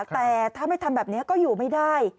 แต่ถ้าไม่ทำแบบนี้ก็อยู่ไม่ได้